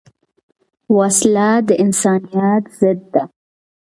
وسله د انسانیت ضد ده